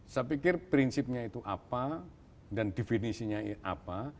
saya pikir prinsipnya itu apa dan definisinya apa